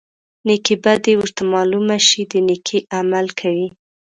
نیکې بدي ورته معلومه شي د نیکۍ عمل کوي.